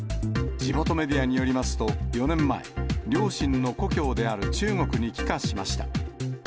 地元メディアによりますと、４年前、両親の故郷である中国に帰化しました。